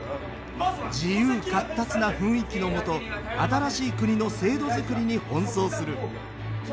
自由闊達な雰囲気のもと新しい国の制度づくりに奔走する。